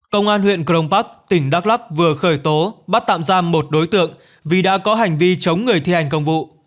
công an huyện krongpak tỉnh đắk lắk vừa khởi tố bắt tạm giam một đối tượng vì đã có hành vi chống người thi hành công vụ